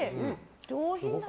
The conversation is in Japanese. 上品だな。